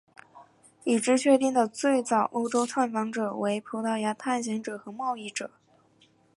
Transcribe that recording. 已知确定的最早欧洲探访者为葡萄牙探险者和贸易者。